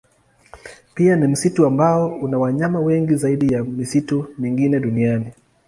Pia ni msitu ambao una wanyama wengi zaidi ya misitu mingine duniani.